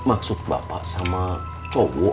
maksud bapak sama cowok